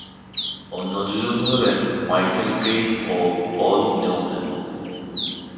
অন্য দুজন হলেন মাইকেল কেইন ও পল নিউম্যান।